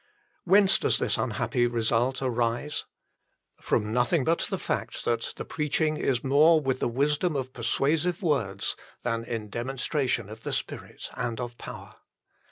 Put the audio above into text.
Whence does this unhappy result arise ? From nothing but the fact that the preaching is more with the wisdom of persuasive words than in demonstration of the Spirit and of power.